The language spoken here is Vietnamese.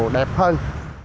giàu đẹp hơn